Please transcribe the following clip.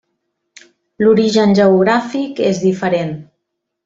L'origen geogràfic és diferent.